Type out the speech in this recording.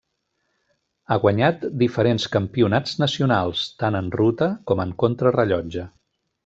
Ha guanyat diferents campionats nacionals, tant en ruta com en contrarellotge.